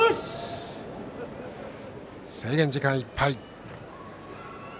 制限時間いっぱい。